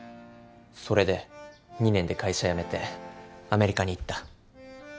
それで２年で会社辞めてアメリカに行った。